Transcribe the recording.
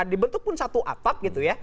dibentuk pun satu atap